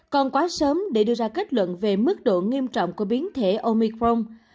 còn quá sớm để đưa ra kết luận về mức độ nghiêm trọng của biến thể omicron